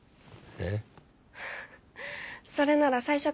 えっ？